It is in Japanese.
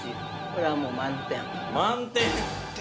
これはもう満点。